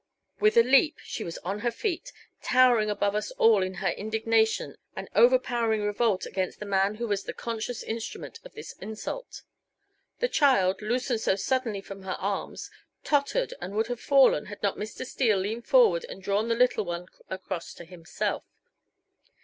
With a leap she was on her feet, towering above us all in her indignation and overpowering revolt against the man who was the conscious instrument of this insult. The child, loosened so suddenly from her arms, tottered and would have fallen, had not Mr. Steele leaned forward and drawn the little one across to himself.